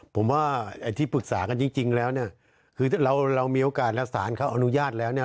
ผมว่าไอ้ที่ปรึกษากันจริงแล้วเนี่ยคือเรามีโอกาสแล้วสารเขาอนุญาตแล้วเนี่ย